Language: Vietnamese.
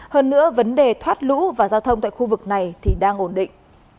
hơn nữa vấn đề thoát lũ và giao thông tại khu vực này thì đang ổn định